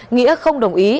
nghĩa không đồng ý